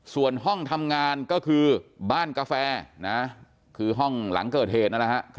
ส่วนห้องทำงานก็คือบ้านกาแฟนะคือห้องหลังเกิดเหตุนั่นแหละฮะ